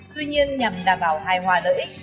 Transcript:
tuy nhiên nhằm đảm bảo hài hòa lợi ích